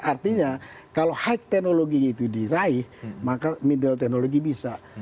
artinya kalau high teknologinya itu di raih maka middle teknologi bisa